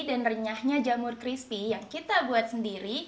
renyahnya jamur crispy yang kita buat sendiri